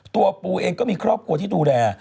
ปูเองก็มีครอบครัวที่ดูแล